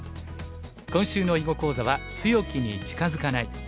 今週の囲碁講座は「強きに近づかない」。